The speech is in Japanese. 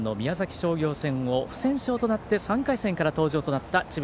商業戦を不戦勝となって３回戦から登場となった智弁